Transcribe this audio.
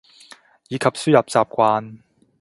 以及輸入習慣